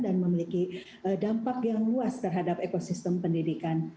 dan memiliki dampak yang luas terhadap ekosistem pendidikan